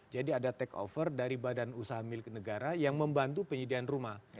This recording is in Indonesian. jadi ada take over dari badan usaha milik negara yang membantu penyediaan rumah